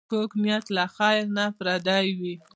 کوږ نیت له خېر نه پردی وي